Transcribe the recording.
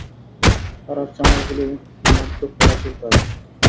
পাড়ার চামারগুলোর মুর্দফরাশির কাজ?